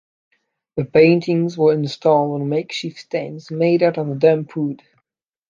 The paintings were installed on makeshift stands made out of dump wood.